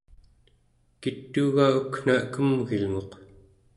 kituuga ukna kemgilnguq?